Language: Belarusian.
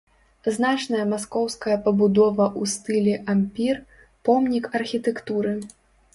Значная маскоўская пабудова ў стылі ампір, помнік архітэктуры.